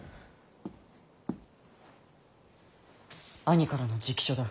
兄からの直書だ。